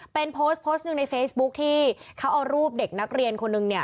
เป็นโพสต์โพสต์หนึ่งในเฟซบุ๊คที่เขาเอารูปเด็กนักเรียนคนหนึ่งเนี่ย